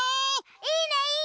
いいねいいね！